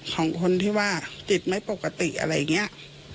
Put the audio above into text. ของคนที่ว่าจิตไม่ปกติอะไรอย่างนี้